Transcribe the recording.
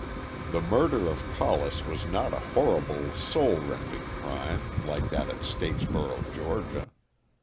The murder of Collis was not a horrible, soul rending crime like that at Statesboro, Ga.